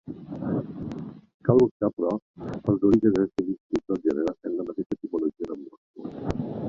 Cal buscar, però, els orígens estilístics del gènere en la mateixa etimologia del mot.